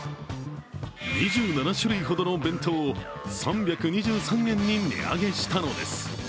２７種類ほどの弁当を３２３円に値上げしたのです。